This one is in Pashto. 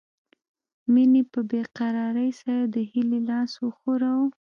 مينې په بې قرارۍ سره د هيلې لاس وښوراوه